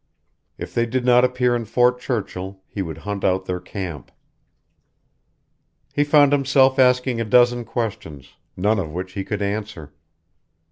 If they did not appear in Fort Churchill he would hunt out their camp. He found himself asking a dozen questions, none of which he could answer.